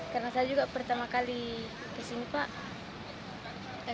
karena saya juga pertama kali kesini pak